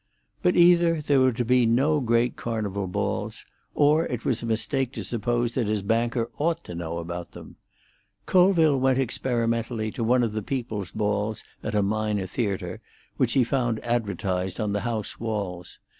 But either there were to be no great Carnival balls, or it was a mistake to suppose that his banker ought to know about them. Colville went experimentally to one of the people's balls at a minor theatre, which he found advertised on the house walls.